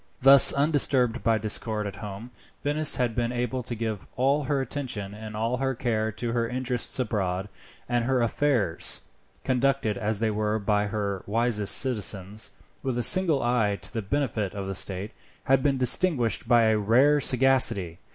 Thus, undisturbed by discord at home, Venice had been able to give all her attention and all her care to her interests abroad, and her affairs, conducted as they were by her wisest citizens, with a single eye to the benefit of the state, had been distinguished by a rare sagacity.